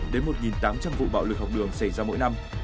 một sáu trăm linh đến một tám trăm linh vụ bạo lực học đường xảy ra mỗi năm